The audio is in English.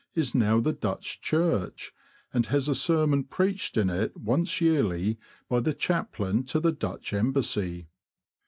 is now the Dutch Church, and has a sermon preached in it once yearly by the Chaplain to the Dutch Embassy.